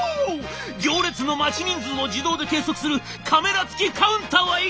行列の待ち人数を自動で計測するカメラ付きカウンターはいかがでしょう？」。